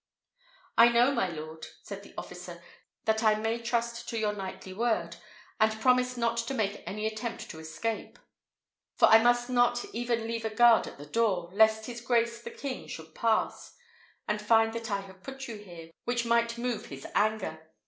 "I know, my lord," said the officer, "that I may trust to your knightly word and promise not to make any attempt to escape; for I must not even leave a guard at the door, lest his grace the king should pass, and find that I have put you here, which might move his anger.